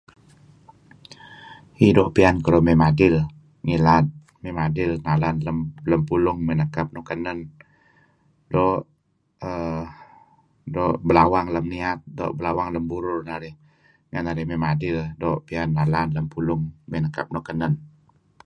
Iih doo' piyan keduih may madil ngilad. May madil nalan lem pulung may nekap nuk kanen doo' uhm belawang lem niat, doo' belawang lem burur narih renga' narih may madil kadi' narih doo' piyan nalan lem pulung may nekap nuk kenen.